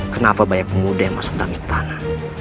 kenapa banyak pemuda yang masuk dalam istana